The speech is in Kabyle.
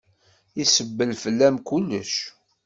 Isebbel fell-am kullec.